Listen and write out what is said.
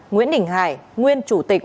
nguyễn đình hải nguyên chủ tịch